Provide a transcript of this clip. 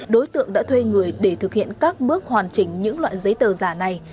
đối tượng đã thuê người để thực hiện các bước hoàn chỉnh những loại giấy tờ giả này